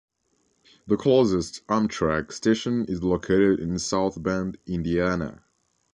The closest Amtrak station is located in South Bend, Indiana.